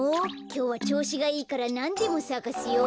きょうはちょうしがいいからなんでもさかすよ。